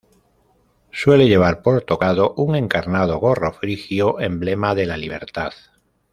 Suele llevar por tocado un encarnado gorro frigio, emblema de la libertad.